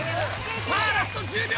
さぁラスト１０秒！